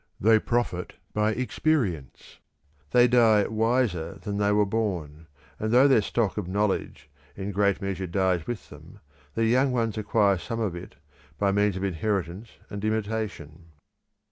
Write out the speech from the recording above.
They profit by experience; they die wiser than they were born, and though their stock of knowledge in great measure dies with them, their young ones acquire some of it by means of inheritance and imitation.